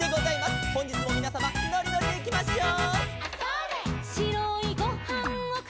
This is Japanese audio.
「ほんじつもみなさまのりのりでいきましょう」